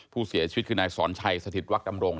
ผู้เสียชีวิตคือนายสอนชัยสถิตวักดำรง